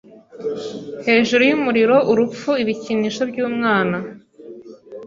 hejuru yumuriroUrupfu Ibikinisho byumwana